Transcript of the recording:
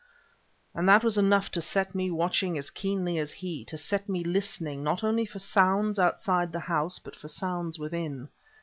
And that was enough to set me watching as keenly as he; to set me listening; not only for sounds outside the house but for sounds within.